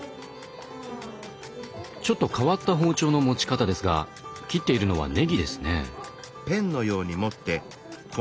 ちょっと変わった包丁の持ち方ですが切っているのはねぎですね。